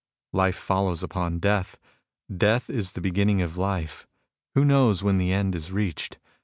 " Life follows upon death. Death is the be ginning of life. Who knows when the end is reached